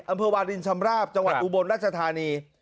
อำเภอวาลินชำราบจังหวัดอุบลราชธานี